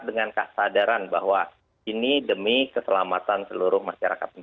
dengan kesadaran bahwa ini demi keselamatan seluruh masyarakat